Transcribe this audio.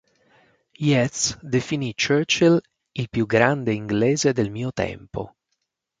Yeats definì Churchill "il più grande inglese del mio tempo".